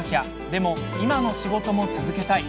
でも、今の仕事も続けたい。